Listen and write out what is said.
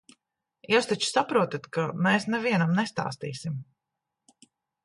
Jūs taču saprotat, ka mēs nevienam nestāstīsim.